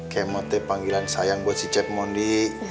kekmot deh panggilan sayang buat si cep mondi